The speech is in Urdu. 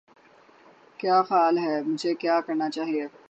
کیا خیال ہے مجھے کیا کرنا چاہئے